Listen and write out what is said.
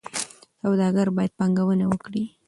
سوداګر باید پانګونه وکړي.